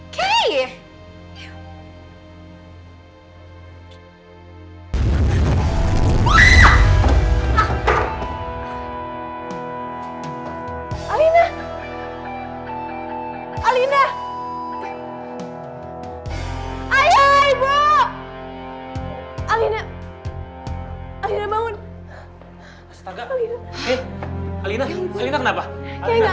kayak gak tau aja